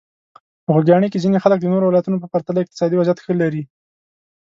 په خوږیاڼي کې ځینې خلک د نورو ولایتونو په پرتله اقتصادي وضعیت ښه لري.